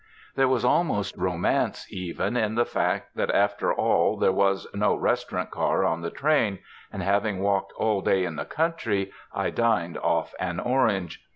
There was almost romance, even, in the fact that after all there was no restaurant car on the train; and, having walked all day in the country, I dined off an orange.